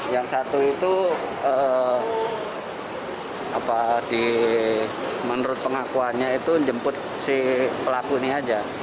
yang satu itu menurut pengakuannya itu jemput si pelaku ini aja